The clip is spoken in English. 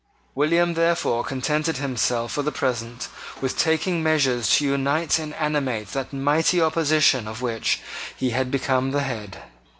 William therefore contented himself for the present with taking measures to unite and animate that mighty opposition of which he had become the head.